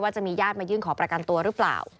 จะมีญาติมายื่นขอประกันตัวหรือเปล่า